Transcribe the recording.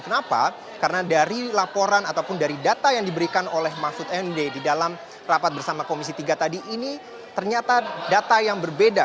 kenapa karena dari laporan ataupun dari data yang diberikan oleh mahfud md di dalam rapat bersama komisi tiga tadi ini ternyata data yang berbeda